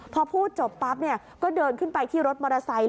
พอพูดจบปั๊บก็เดินขึ้นไปที่รถมอเตอร์ไซค์